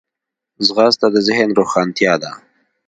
ځغاسته د ذهن روښانتیا ده